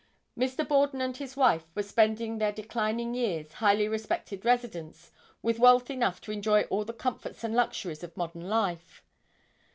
Mr. Borden and his wife were spending their declining years, highly respected residents, with wealth enough to enjoy all the comforts and luxuries of modern life.